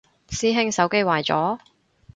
師兄手機壞咗？